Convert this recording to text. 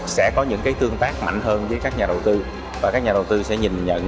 sẽ có những tương tác mạnh hơn với các nhà đầu tư và các nhà đầu tư sẽ nhìn nhận